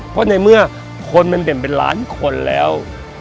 เพราะในเมื่อคนมันเด่นเป็นล้านคนแล้ว